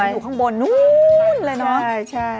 อยู่ข้างบนนู้นเลยเนอะ